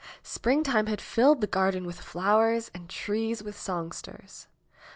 Springtime had filled the garden with flowers and the trees with songsters.